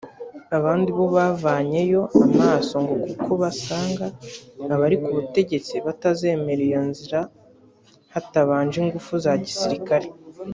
abandi bo bavanyeyo amaso ngo kuko basanga abari ku butegetsi batazemera iyo nzira hatabaje ingufu za gisirikare